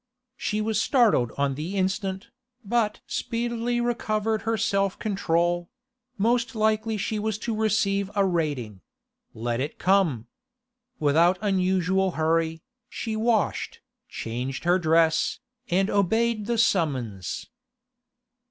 She was startled on the instant, but speedily recovered her self control; most likely she was to receive a rating—let it come! Without unusual hurry, she washed, changed her dress, and obeyed the summons.